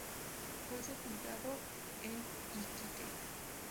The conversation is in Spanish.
Fue sepultado en Iquique..